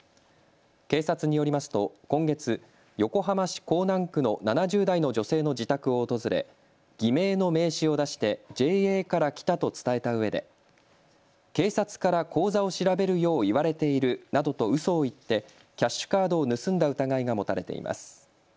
警察によりますと今月、横浜市港南区の７０代の女性の自宅を訪れ偽名の名刺を出してＪＡから来たと伝えたうえで警察から口座を調べるよう言われているなどとうそを言ってキャッシュカードを盗んだ疑いが持たれています。